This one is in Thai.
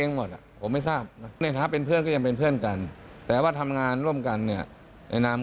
ก็ทำได้แต่ไม่ใช่คดีแตงโบนะครับ